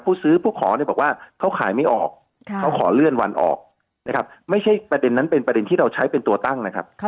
ผู้ซื้อผู้ขอเนี่ยบอกว่าเขาขายไม่ออกเขาขอเลื่อนวันออกนะครับไม่ใช่ประเด็นนั้นเป็นประเด็นที่เราใช้เป็นตัวตั้งนะครับ